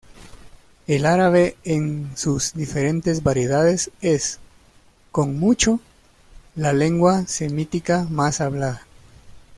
El árabe en sus diferentes variedades es, con mucho, la lengua semítica más hablada.